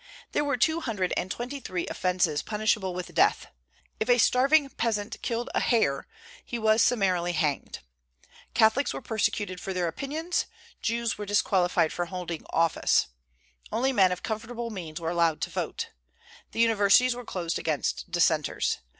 There were two hundred and twenty three offences punishable with death. If a starving peasant killed a hare, he was summarily hanged. Catholics were persecuted for their opinions; Jews were disqualified from holding office. Only men of comfortable means were allowed to vote. The universities were closed against Dissenters.